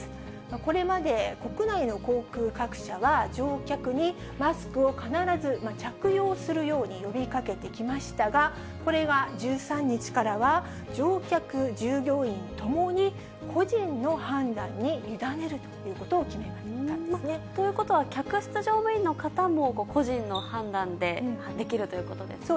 これまで国内の航空各社は、乗客にマスクを必ず着用するように呼びかけてきましたが、これは、１３日からは乗客・従業員ともに個人の判断に委ねるということをということは、客室乗務員の方も、個人の判断でできるということですね。